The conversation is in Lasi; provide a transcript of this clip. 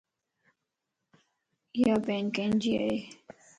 ايا پين ڪينجي ائي